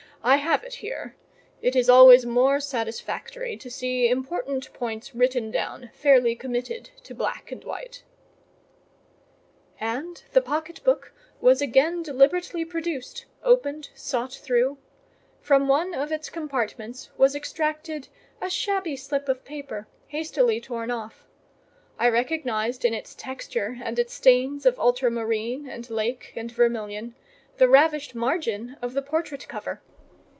I have it here—it is always more satisfactory to see important points written down, fairly committed to black and white." And the pocket book was again deliberately produced, opened, sought through; from one of its compartments was extracted a shabby slip of paper, hastily torn off: I recognised in its texture and its stains of ultra marine, and lake, and vermillion, the ravished margin of the portrait cover.